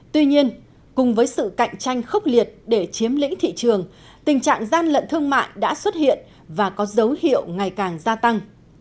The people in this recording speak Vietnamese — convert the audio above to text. tuy nhiên cùng với sự cạnh tranh khốc liệt để chiếm lĩnh thị trường tình trạng gian lận thương mại đã xuất hiện và có dấu hiệu ngày càng gia tăng